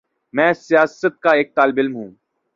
میں سیاست کا ایک طالب علم ہوں۔